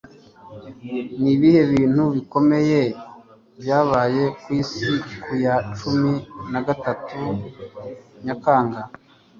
Ni ibihe bintu bikomeye byabaye ku isi ku ya cumi nagatatu Nyakanga